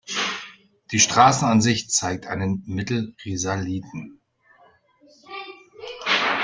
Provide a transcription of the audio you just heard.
Die Straßenansicht zeigt einen Mittelrisaliten.